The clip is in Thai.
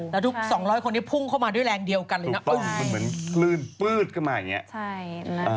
แล้วทุก๒๐๐คนเนี่ยพุ่งเข้ามาด้วยแรงเดียวกันเลยน่ะคือเหมือนพื้นปื้ดคลุมมาอย่างนี้